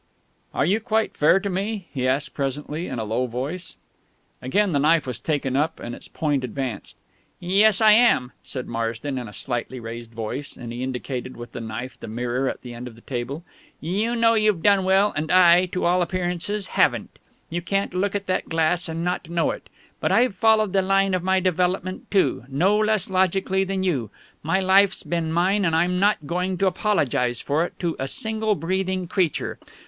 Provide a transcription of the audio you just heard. "Are you quite fair to me?" he asked presently, in a low voice. Again the knife was taken up and its point advanced. "Yes, I am," said Marsden in a slightly raised voice; and he indicated with the knife the mirror at the end of the table. "You know you've done well, and I, to all appearances, haven't; you can't look at that glass and not know it. But I've followed the line of my development too, no less logically than you. My life's been mine, and I'm not going to apologise for it to a single breathing creature.